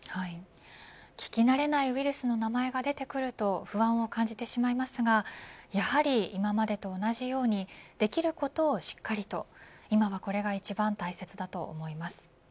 聞き慣れないウイルスの名前が出てくると不安を感じてしまいますがやはり今までと同じようにできることをしっかりと今はこれが一番大切だと思います。